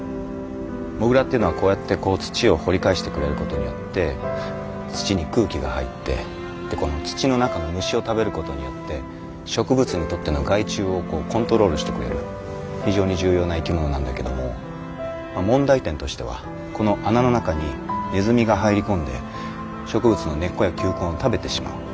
モグラっていうのはこうやってこう土を掘り返してくれることによって土に空気が入ってでこの土の中の虫を食べることによって植物にとっての害虫をコントロールしてくれる非常に重要な生き物なんだけども問題点としてはこの穴の中にネズミが入り込んで植物の根っこや球根を食べてしまう。